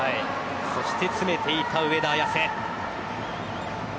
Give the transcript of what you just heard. そして詰めていった上田綺世。